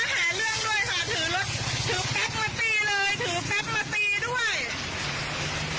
คุณอย่าเล่นพวกดีกว่าถ้ามันผิดตามนี้คุณก็ไปตามนี้คุณอย่ามา